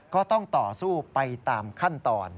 ก็ต้องต่อสู้ไปตามขั้นตอน